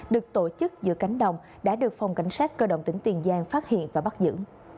được tổ chức giữa cánh đồng đã được phòng cảnh sát cơ động tỉnh tiền giang phát hiện và bắt giữ